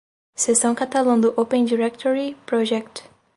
Seção catalã do Open Directory Project.